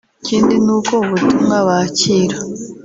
Ikindi ni uko ubutumwa bakira